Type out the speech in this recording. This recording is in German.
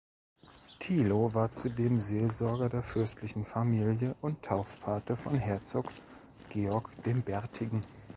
Thilo war zudem Seelsorger der fürstlichen Familie und Taufpate von Herzog Georg dem Bärtigen.